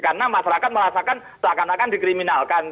karena masyarakat merasakan seakan akan dikriminalkan